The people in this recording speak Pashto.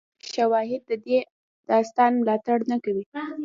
خو حقیقت کې شواهد د دې داستان ملاتړ نه کوي.